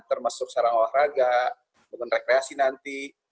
termasuk sarang olahraga dengan rekreasi nanti